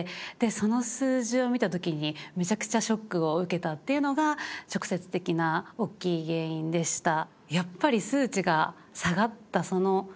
その数字を見た時にめちゃくちゃショックを受けたっていうのが直接的なおっきい原因でした。